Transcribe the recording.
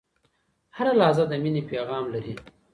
هره لحظه د میني پیغام لري